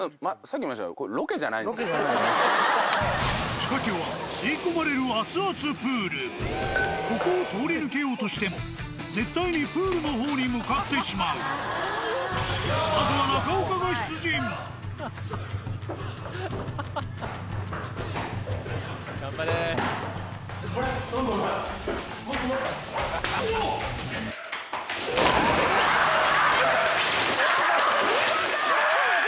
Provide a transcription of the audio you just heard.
仕掛けはここを通り抜けようとしても絶対にプールのほうに向かってしまうまずはうわっ！